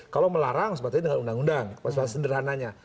kalau melarang harus dibatasi dengan undang undang pasal pasal sederhananya